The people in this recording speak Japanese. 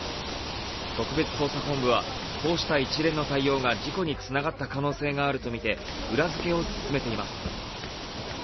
特別捜査本部はこうした一連の対応が事故につながった可能性があるとみて裏付けを進めています。